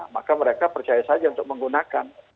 maka mereka percaya saja untuk menggunakan